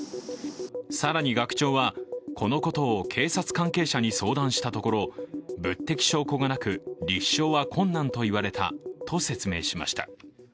更に学長は、このことを警察関係者に相談したところ、物的証拠がなく、立証は困難と言われたと説明しました。